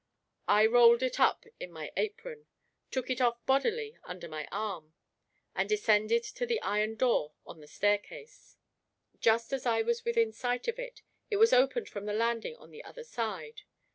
I rolled it up in my apron, took it off bodily under my arm, and descended to the iron door on the staircase. Just as I was within sight of it, it was opened from the landing on the other side.